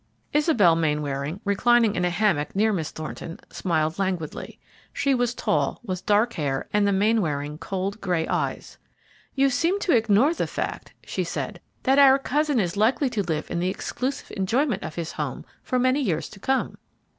Isabel Mainwaring, reclining in a hammock near Miss Thornton, smiled languidly. She was tall, with dark hair and the Mainwaring cold, gray eyes. "You seem to ignore the fact," she said, "that our cousin is likely to live in the exclusive enjoyment of his home for many years to come."